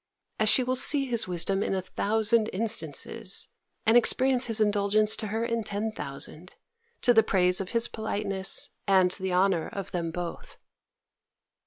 as she will see his wisdom in a thousand instances, and experience his indulgence to her in ten thousand, to the praise of his politeness, and the honour of them both!